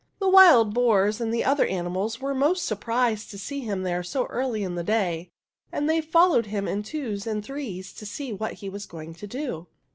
The wild boars and the other animals were most surprised to see him there so early in the day, and they followed him in twos and threes to see what he was going to do.